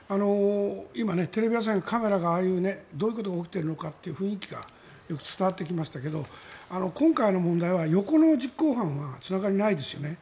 今、テレビ朝日のカメラがどういうことが起きてるのかって雰囲気がよく伝わってきましたけど今回の問題は横の実行犯がつながりがないですよね。